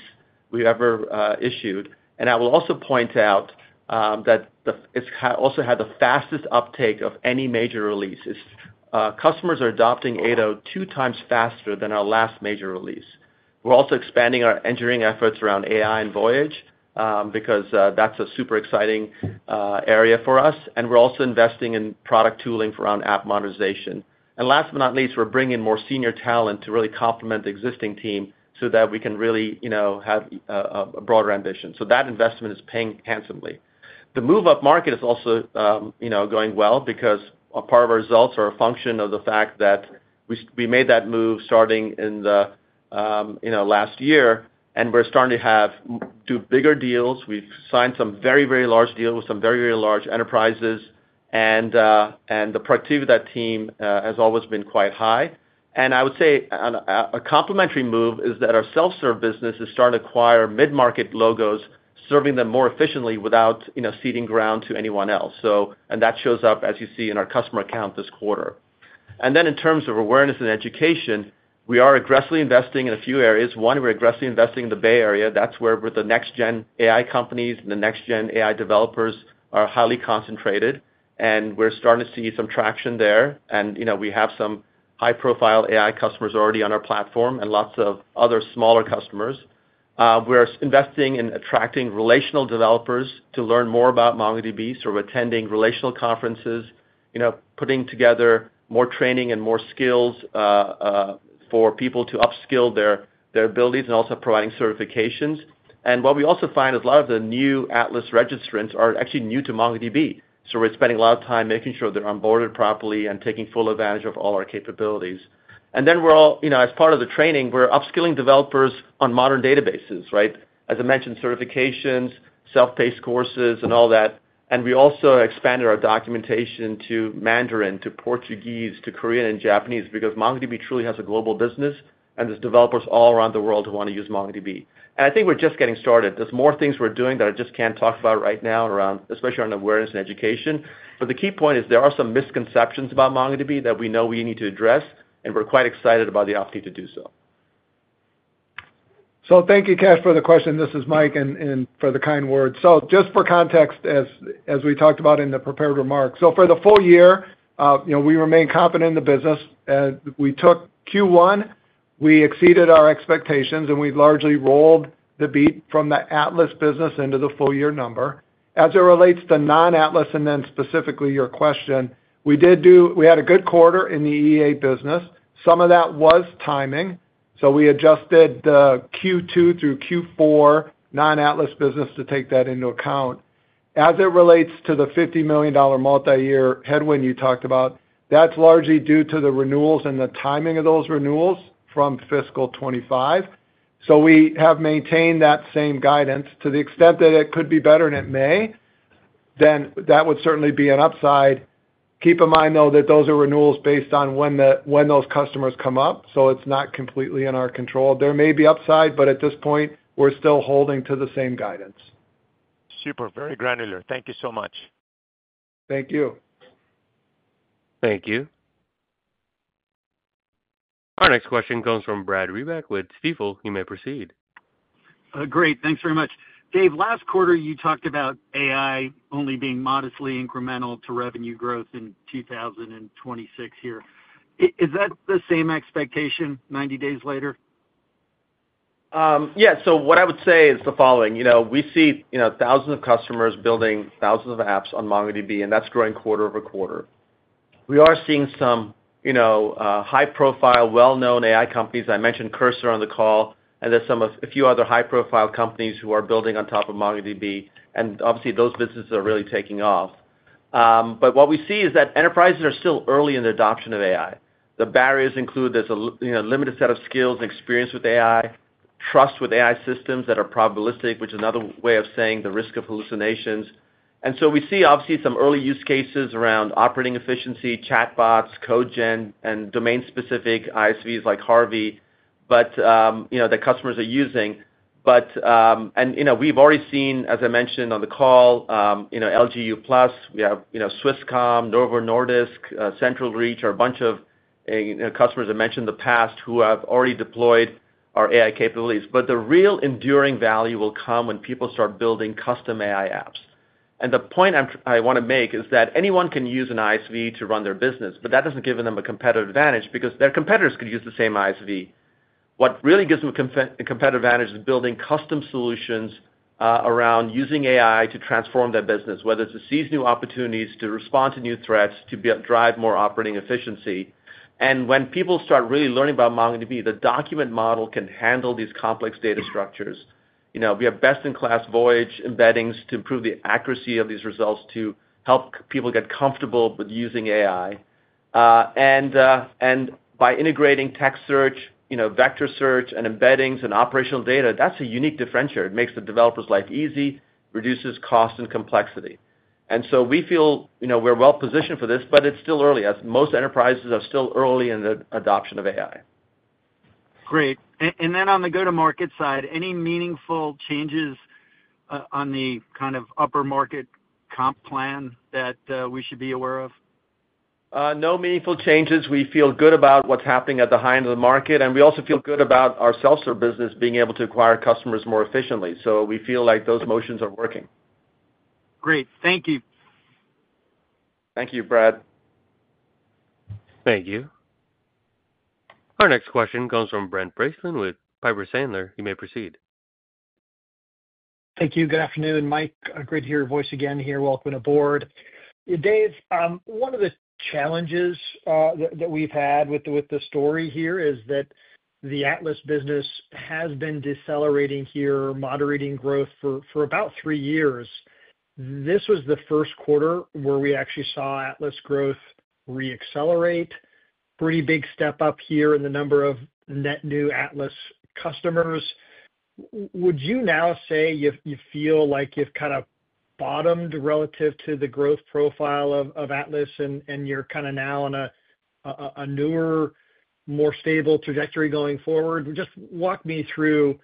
we've ever issued. I will also point out that it's also had the fastest uptake of any major release. Customers are adopting 8.0 two times faster than our last major release. We're also expanding our engineering efforts around AI and Voyage because that's a super exciting area for us. We're also investing in product tooling for our app modernization. Last but not least, we're bringing in more senior talent to really complement the existing team so that we can really have a broader ambition. That investment is paying handsomely. The move up market is also going well because a part of our results are a function of the fact that we made that move starting in the last year. We're starting to do bigger deals. We've signed some very, very large deals with some very, very large enterprises. The productivity of that team has always been quite high. I would say a complementary move is that our self-serve business is starting to acquire mid-market logos, serving them more efficiently without ceding ground to anyone else. That shows up, as you see, in our customer account this quarter. In terms of awareness and education, we are aggressively investing in a few areas. One, we're aggressively investing in the Bay Area. That's where the next-gen AI companies and the next-gen AI developers are highly concentrated. We're starting to see some traction there. We have some high-profile AI customers already on our platform and lots of other smaller customers. We're investing in attracting relational developers to learn more about MongoDB, sort of attending relational conferences, putting together more training and more skills for people to upskill their abilities, and also providing certifications. What we also find is a lot of the new Atlas registrants are actually new to MongoDB. We're spending a lot of time making sure they're onboarded properly and taking full advantage of all our capabilities. As part of the training, we're upskilling developers on modern databases, right? As I mentioned, certifications, self-paced courses, and all that. We also expanded our documentation to Mandarin, to Portuguese, to Korean, and Japanese because MongoDB truly has a global business, and there are developers all around the world who want to use MongoDB. I think we're just getting started. There are more things we're doing that I just can't talk about right now, especially on awareness and education. The key point is there are some misconceptions about MongoDB that we know we need to address, and we're quite excited about the opportunity to do so. Thank you, Cash, for the question. This is Mike for the kind words. Just for context, as we talked about in the prepared remarks, for the full year, we remain confident in the business. We took Q1. We exceeded our expectations, and we largely rolled the beat from the Atlas business into the full-year number. As it relates to non-Atlas, and then specifically your question, we had a good quarter in the EA business. Some of that was timing. We adjusted the Q2 through Q4 non-Atlas business to take that into account. As it relates to the $50 million multi-year headwind you talked about, that is largely due to the renewals and the timing of those renewals from fiscal 2025. We have maintained that same guidance to the extent that it could be better, and it may. That would certainly be an upside. Keep in mind, though, that those are renewals based on when those customers come up, so it's not completely in our control. There may be upside, but at this point, we're still holding to the same guidance. Super. Very granular. Thank you so much. Thank you. Thank you. Our next question comes from Brad Rebeck with Stifel. You may proceed. Great. Thanks very much. Dev, last quarter, you talked about AI only being modestly incremental to revenue growth in 2026 here. Is that the same expectation 90 days later? Yeah. What I would say is the following. We see thousands of customers building thousands of apps on MongoDB, and that's growing quarter over quarter. We are seeing some high-profile, well-known AI companies. I mentioned Cursor on the call, and there's a few other high-profile companies who are building on top of MongoDB. Obviously, those businesses are really taking off. What we see is that enterprises are still early in the adoption of AI. The barriers include there's a limited set of skills and experience with AI, trust with AI systems that are probabilistic, which is another way of saying the risk of hallucinations. We see, obviously, some early use cases around operating efficiency, chatbots, codegen, and domain-specific ISVs like Harvey that customers are using. We've already seen, as I mentioned on the call, LG U+. We have Swisscom, Novo Nordisk, Central Reach, a bunch of customers I mentioned in the past who have already deployed our AI capabilities. The real enduring value will come when people start building custom AI apps. The point I want to make is that anyone can use an ISV to run their business, but that does not give them a competitive advantage because their competitors could use the same ISV. What really gives them a competitive advantage is building custom solutions around using AI to transform their business, whether it is to seize new opportunities, to respond to new threats, to drive more operating efficiency. When people start really learning about MongoDB, the document model can handle these complex data structures. We have best-in-class Voyage embeddings to improve the accuracy of these results to help people get comfortable with using AI. By integrating text search, vector search, and embeddings and operational data, that's a unique differential. It makes the developer's life easy, reduces cost and complexity. We feel we're well-positioned for this, but it's still early, as most enterprises are still early in the adoption of AI. Great. On the go-to-market side, any meaningful changes on the kind of upper-market comp plan that we should be aware of? No meaningful changes. We feel good about what's happening at the high end of the market. We also feel good about our self-serve business being able to acquire customers more efficiently. We feel like those motions are working. Great. Thank you. Thank you, Brad. Thank you. Our next question comes from Brent Bracelin with Piper Sandler. You may proceed. Thank you. Good afternoon, Mike. Great to hear your voice again here. Welcome aboard. Dev, one of the challenges that we've had with the story here is that the Atlas business has been decelerating here, moderating growth for about three years. This was the first quarter where we actually saw Atlas growth re-accelerate. Pretty big step up here in the number of net new Atlas customers. Would you now say you feel like you've kind of bottomed relative to the growth profile of Atlas, and you're kind of now on a newer, more stable trajectory going forward? Just walk me through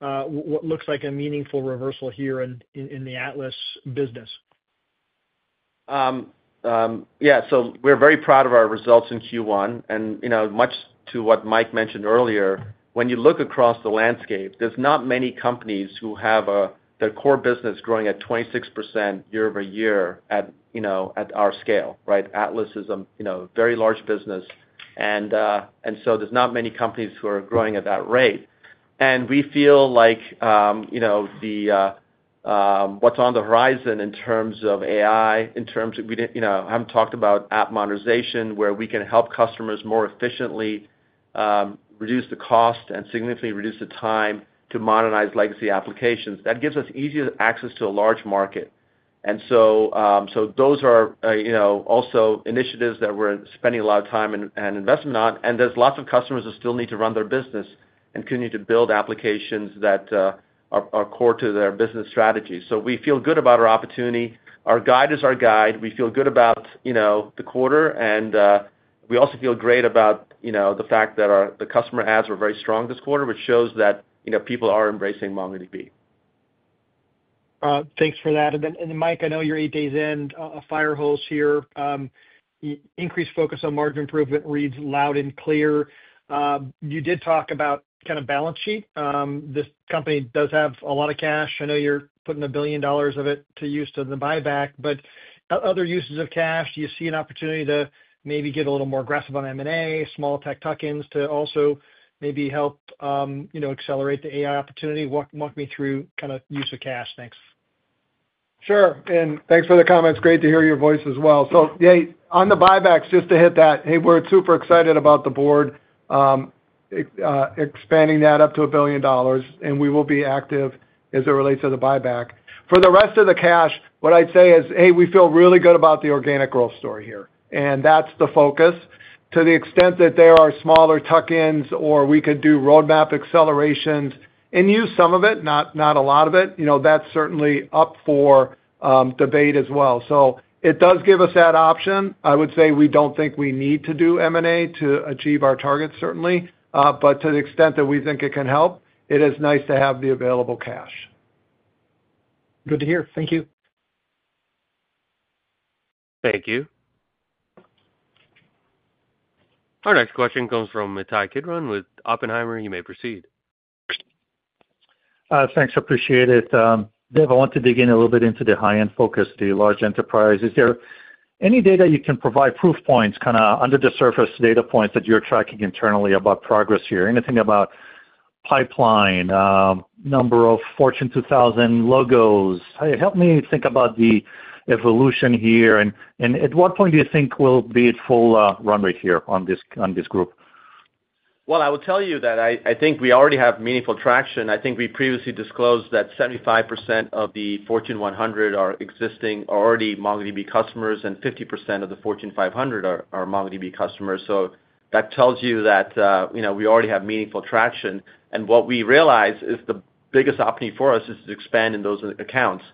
what looks like a meaningful reversal here in the Atlas business. Yeah. We are very proud of our results in Q1. Much to what Mike mentioned earlier, when you look across the landscape, there are not many companies who have their core business growing at 26% year over year at our scale, right? Atlas is a very large business. There are not many companies who are growing at that rate. We feel like what is on the horizon in terms of AI, in terms of we have not talked about app modernization, where we can help customers more efficiently reduce the cost and significantly reduce the time to modernize legacy applications. That gives us easier access to a large market. Those are also initiatives that we are spending a lot of time and investment on. There are lots of customers who still need to run their business and continue to build applications that are core to their business strategy. We feel good about our opportunity. Our guide is our guide. We feel good about the quarter. We also feel great about the fact that the customer ads were very strong this quarter, which shows that people are embracing MongoDB. Thanks for that. Mike, I know you're eight days in. Firehose here. Increased focus on margin improvement reads loud and clear. You did talk about kind of balance sheet. This company does have a lot of cash. I know you're putting $1 billion of it to use to the buyback. Other uses of cash, do you see an opportunity to maybe get a little more aggressive on M&A, small tech tuck-ins to also maybe help accelerate the AI opportunity? Walk me through kind of use of cash next. Sure. Thanks for the comments. Great to hear your voice as well. On the buybacks, just to hit that, hey, we're super excited about the board expanding that up to $1 billion, and we will be active as it relates to the buyback. For the rest of the cash, what I'd say is, hey, we feel really good about the organic growth story here. That's the focus. To the extent that there are smaller tuck-ins or we could do roadmap accelerations and use some of it, not a lot of it, that's certainly up for debate as well. It does give us that option. I would say we don't think we need to do M&A to achieve our target, certainly. To the extent that we think it can help, it is nice to have the available cash. Good to hear. Thank you. Thank you. Our next question comes from Ittai Kidron with Oppenheimer. You may proceed. Thanks. I appreciate it. Dev, I want to dig in a little bit into the high-end focus, the large enterprise. Is there any data you can provide, proof points, kind of under-the-surface data points that you're tracking internally about progress here? Anything about pipeline, number of Fortune 2000 logos? Help me think about the evolution here. At what point do you think we'll be at full run rate here on this group? I will tell you that I think we already have meaningful traction. I think we previously disclosed that 75% of the Fortune 100 are existing, are already MongoDB customers, and 50% of the Fortune 500 are MongoDB customers. That tells you that we already have meaningful traction. What we realize is the biggest opportunity for us is to expand in those accounts.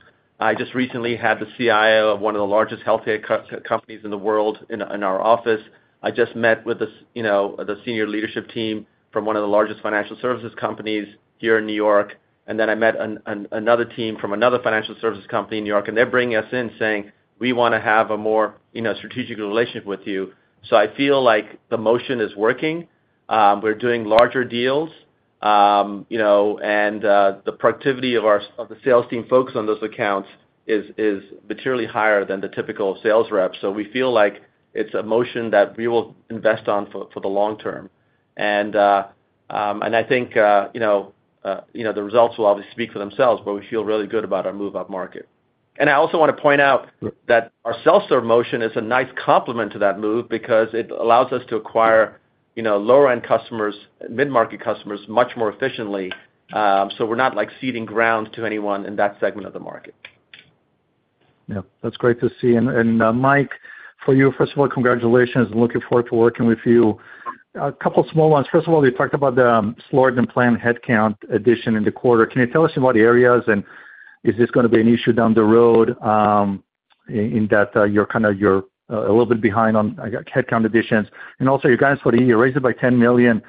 I just recently had the CIO of one of the largest healthcare companies in the world in our office. I just met with the senior leadership team from one of the largest financial services companies here in New York. I met another team from another financial services company in New York, and they're bringing us in saying, "We want to have a more strategic relationship with you." I feel like the motion is working. We're doing larger deals. The productivity of the sales team focused on those accounts is materially higher than the typical sales rep. We feel like it is a motion that we will invest in for the long term. I think the results will obviously speak for themselves, but we feel really good about our move-up market. I also want to point out that our self-serve motion is a nice complement to that move because it allows us to acquire lower-end customers, mid-market customers, much more efficiently. We are not ceding ground to anyone in that segment of the market. Yeah. That's great to see. Mike, for you, first of all, congratulations. Looking forward to working with you. A couple of small ones. First, you talked about the slower-than-planned headcount addition in the quarter. Can you tell us about areas, and is this going to be an issue down the road in that you're kind of a little bit behind on headcount additions? Also, your guidance for the year, raised it by $10 million.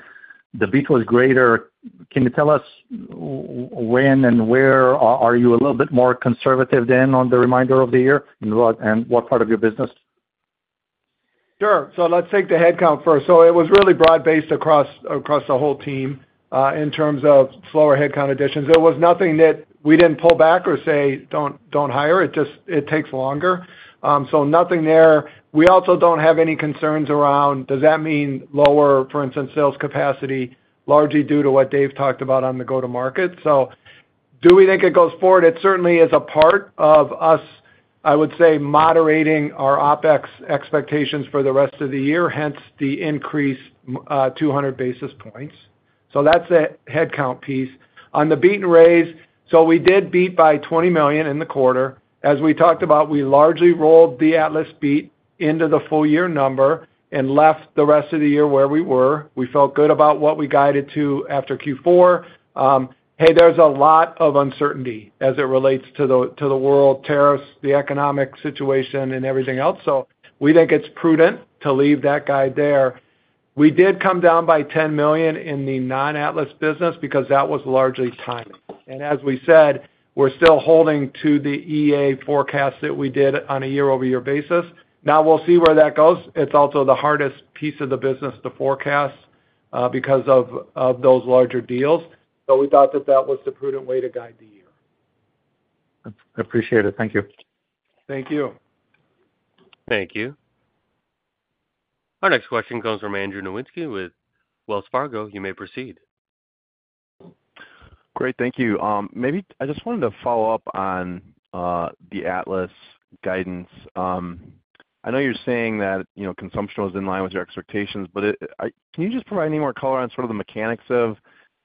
The beat was greater. Can you tell us when and where are you a little bit more conservative then on the remainder of the year and what part of your business? Sure. Let's take the headcount first. It was really broad-based across the whole team in terms of slower headcount additions. It was nothing that we did not pull back or say, "Don't hire." It takes longer. Nothing there. We also do not have any concerns around, does that mean lower, for instance, sales capacity, largely due to what Dev talked about on the go-to-market? Do we think it goes forward? It certainly is a part of us, I would say, moderating our OpEx expectations for the rest of the year, hence the increase of 200 basis points. That is the headcount piece. On the beat and raise, we did beat by $20 million in the quarter. As we talked about, we largely rolled the Atlas beat into the full-year number and left the rest of the year where we were. We felt good about what we guided to after Q4. Hey, there's a lot of uncertainty as it relates to the world, tariffs, the economic situation, and everything else. We think it's prudent to leave that guide there. We did come by $10 million in the non-Atlas business because that was largely timing. As we said, we're still holding to the EA forecast that we did on a year-over-year basis. Now we'll see where that goes. It's also the hardest piece of the business to forecast because of those larger deals. We thought that that was the prudent way to guide the year. Appreciate it. Thank you. Thank you. Thank you. Our next question comes from Andrew Nowinski with Wells Fargo. You may proceed. Great. Thank you. Maybe I just wanted to follow up on the Atlas guidance. I know you're saying that consumption was in line with your expectations, but can you just provide any more color on sort of the mechanics of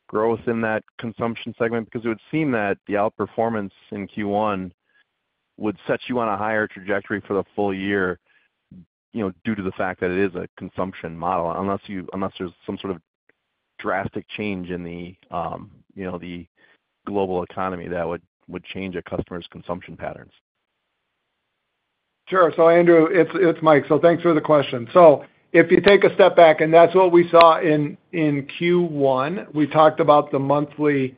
growth in that consumption segment? Because it would seem that the outperformance in Q1 would set you on a higher trajectory for the full year due to the fact that it is a consumption model, unless there's some sort of drastic change in the global economy that would change a customer's consumption patterns. Sure. So Andrew, it's Mike. Thanks for the question. If you take a step back, and that's what we saw in Q1. We talked about the monthly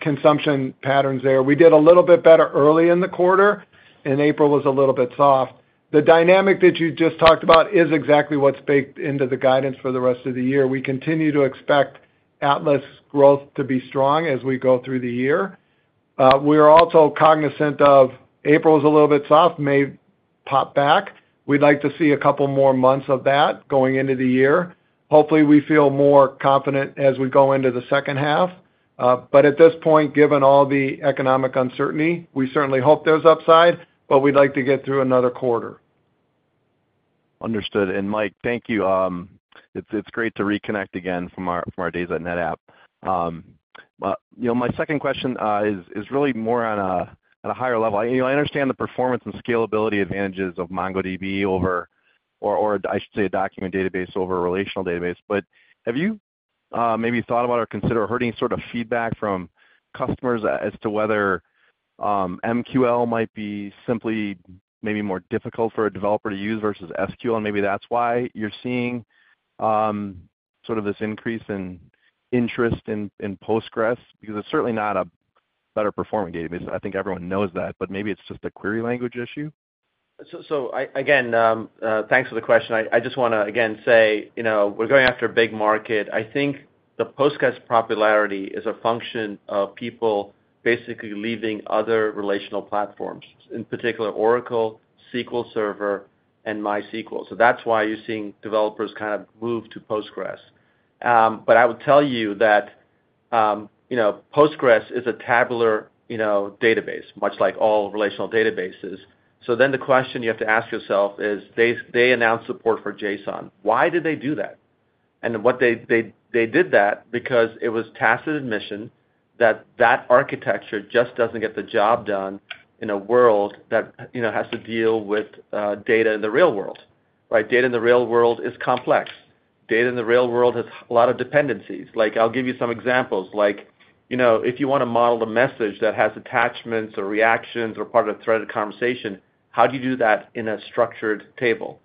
consumption patterns there. We did a little bit better early in the quarter, and April was a little bit soft. The dynamic that you just talked about is exactly what's baked into the guidance for the rest of the year. We continue to expect Atlas growth to be strong as we go through the year. We are also cognizant of April was a little bit soft, may pop back. We'd like to see a couple more months of that going into the year. Hopefully, we feel more confident as we go into the second half. At this point, given all the economic uncertainty, we certainly hope there's upside, but we'd like to get through another quarter. Understood. Mike, thank you. It's great to reconnect again from our days at NetApp. My second question is really more on a higher level. I understand the performance and scalability advantages of MongoDB over, or I should say, a document database over a relational database. Have you maybe thought about or considered or heard any sort of feedback from customers as to whether MQL might be simply maybe more difficult for a developer to use versus SQL? Maybe that's why you're seeing sort of this increase in interest in Postgres? It's certainly not a better-performing database. I think everyone knows that, but maybe it's just a query language issue. Again, thanks for the question. I just want to again say we're going after a big market. I think the Postgres popularity is a function of people basically leaving other relational platforms, in particular, Oracle, SQL Server, and MySQL. That is why you're seeing developers kind of move to Postgres. I would tell you that Postgres is a tabular database, much like all relational databases. The question you have to ask yourself is, they announced support for JSON. Why did they do that? They did that because it was tacit admission that that architecture just does not get the job done in a world that has to deal with data in the real world, right? Data in the real world is complex. Data in the real world has a lot of dependencies. I'll give you some examples. If you want to model a message that has attachments or reactions or part of a threaded conversation, how do you do that in a structured table?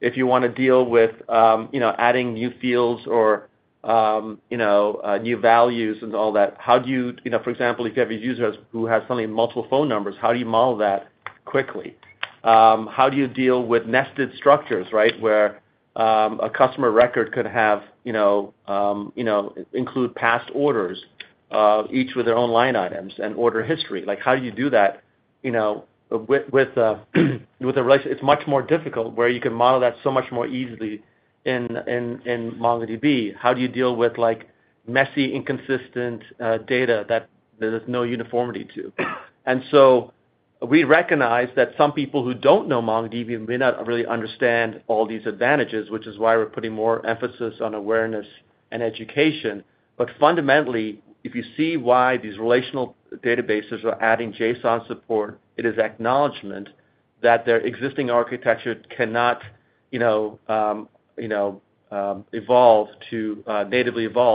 If you want to deal with adding new fields or new values and all that, how do you, for example, if you have a user who has suddenly multiple phone numbers, how do you model that quickly? How do you deal with nested structures, right, where a customer record could include past orders, each with their own line items and order history? How do you do that with a relationship? It is much more difficult where you can model that so much more easily in MongoDB. How do you deal with messy, inconsistent data that there is no uniformity to? We recognize that some people who do not know MongoDB may not really understand all these advantages, which is why we are putting more emphasis on awareness and education. Fundamentally, if you see why these relational databases are adding JSON support, it is acknowledgment that their existing architecture cannot natively evolve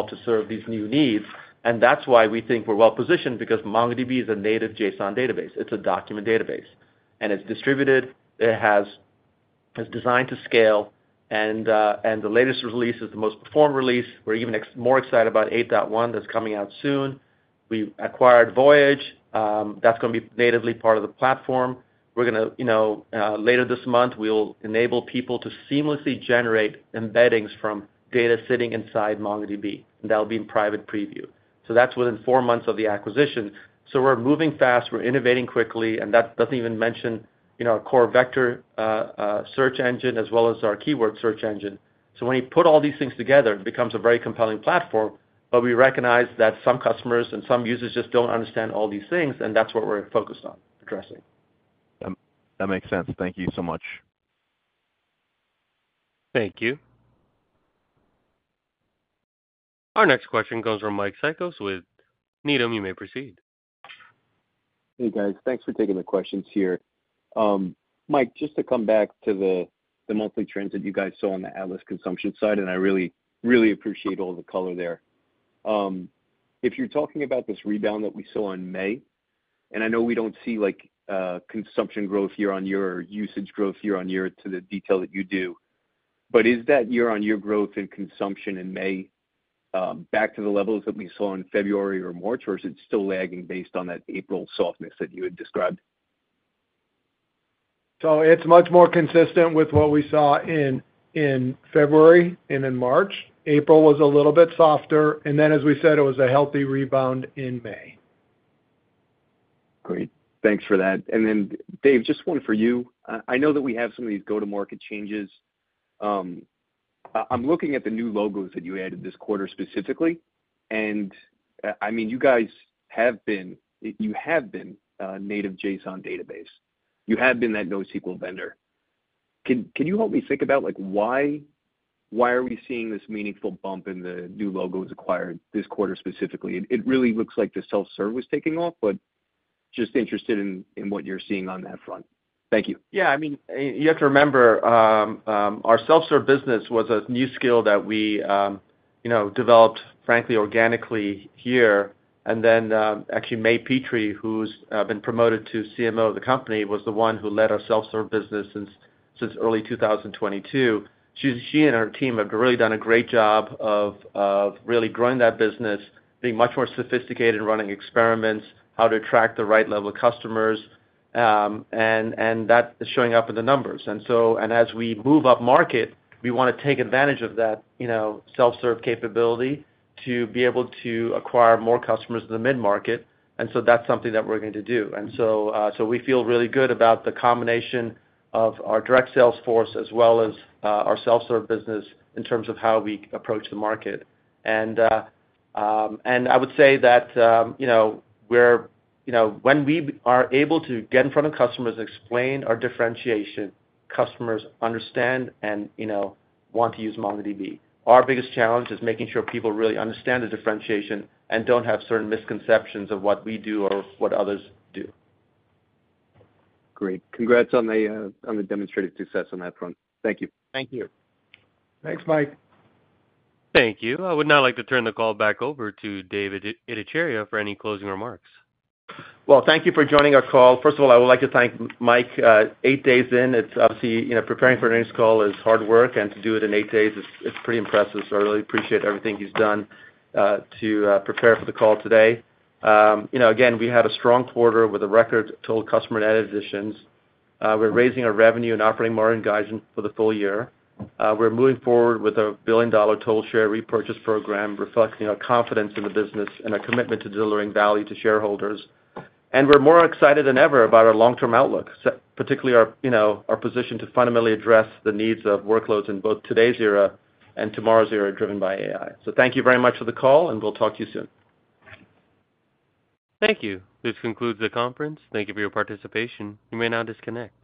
to serve these new needs. That is why we think we are well-positioned because MongoDB is a native JSON database. It is a document database. It is distributed. It has design to scale. The latest release is the most performant release. We are even more excited about 8.1 that is coming out soon. We acquired Voyage. That is going to be natively part of the platform. Later this month, we will enable people to seamlessly generate embeddings from data sitting inside MongoDB. That will be in private preview. That is within four months of the acquisition. We're moving fast. We're innovating quickly. That does not even mention our core vector search engine as well as our keyword search engine. When you put all these things together, it becomes a very compelling platform. We recognize that some customers and some users just do not understand all these things, and that is what we're focused on addressing. That makes sense. Thank you so much. Thank you. Our next question comes from Mike Cikos with Needham, you may proceed. Hey, guys. Thanks for taking the questions here. Mike, just to come back to the monthly trends that you guys saw on the Atlas consumption side, and I really, really appreciate all the color there. If you're talking about this rebound that we saw in May, and I know we don't see consumption growth year-on-year or usage growth year-on-year to the detail that you do, but is that year-on-year growth in consumption in May back to the levels that we saw in February or March, or is it still lagging based on that April softness that you had described? It is much more consistent with what we saw in February and in March. April was a little bit softer. As we said, it was a healthy rebound in May. Great. Thanks for that. Dev, just one for you. I know that we have some of these go-to-market changes. I'm looking at the new logos that you added this quarter specifically. I mean, you guys have been a native JSON database. You have been that NoSQL vendor. Can you help me think about why are we seeing this meaningful bump in the new logos acquired this quarter specifically? It really looks like the self-serve was taking off, but just interested in what you're seeing on that front. Thank you. Yeah. I mean, you have to remember our self-serve business was a new skill that we developed, frankly, organically here. May Petri, who's been promoted to CMO of the company, was the one who led our self-serve business since early 2022. She and her team have really done a great job of really growing that business, being much more sophisticated in running experiments, how to attract the right level of customers. That is showing up in the numbers. As we move up market, we want to take advantage of that self-serve capability to be able to acquire more customers in the mid-market. That is something that we're going to do. We feel really good about the combination of our direct sales force as well as our self-serve business in terms of how we approach the market. I would say that when we are able to get in front of customers and explain our differentiation, customers understand and want to use MongoDB. Our biggest challenge is making sure people really understand the differentiation and do not have certain misconceptions of what we do or what others do. Great. Congrats on the demonstrated success on that front. Thank you. Thank you. Thanks, Mike. Thank you. I would now like to turn the call back over to Dev Ittycheria for any closing remarks. Thank you for joining our call. First of all, I would like to thank Mike. Eight days in, it's obviously preparing for an interview call is hard work, and to do it in eight days, it's pretty impressive. I really appreciate everything he's done to prepare for the call today. Again, we had a strong quarter with a record total customer net additions. We're raising our revenue and operating margin guidance for the full year. We're moving forward with a billion-dollar total share repurchase program, reflecting our confidence in the business and our commitment to delivering value to shareholders. We're more excited than ever about our long-term outlook, particularly our position to fundamentally address the needs of workloads in both today's era and tomorrow's era driven by AI. Thank you very much for the call, and we'll talk to you soon. Thank you. This concludes the conference. Thank you for your participation. You may now disconnect.